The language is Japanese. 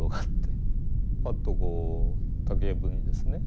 パッとこう竹やぶにですね